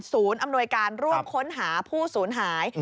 ศูนย์อำนวยการร่วมค้นหาผู้ศูนย์หาย